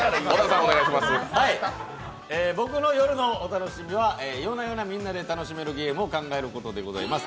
僕の夜のお楽しみは夜な夜なみんなで楽しめるゲームを考えることでございます。